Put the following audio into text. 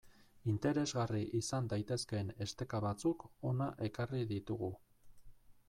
Interesgarri izan daitezkeen esteka batzuk hona ekarri ditugu.